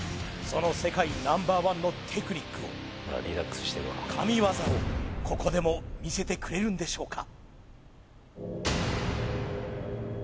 その世界Ｎｏ．１のテクニックを神業をここでも見せてくれるんでしょうか